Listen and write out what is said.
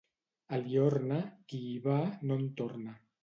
A Liorna, qui hi va, no en torna.